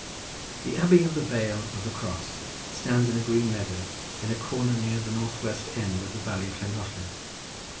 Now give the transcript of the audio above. The abbey of the vale of the cross stands in a green meadow, in a corner near the north west end of the valley of Llangollen.